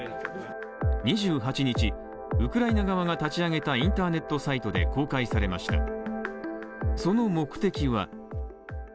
２８日、ウクライナ側が立ち上げたインターネットサイトで公開されました。